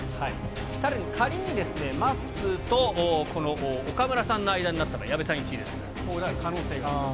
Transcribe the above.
さらに、仮にですね、まっすーとこの岡村さんの間になった場合、矢部さん１位ですから、こうなる可能性があります。